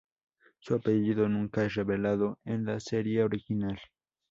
Su apellido nunca es revelado en la serie original.